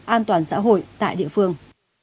an toàn xã hội tại địa phương